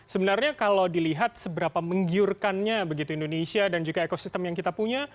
sebenarnya kalau dilihat seberapa menggiurkannya begitu indonesia dan juga ekosistem yang kita punya